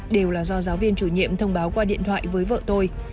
đều là do giáo viên chủ nhiệm thông báo qua điện thoại với vợ tôi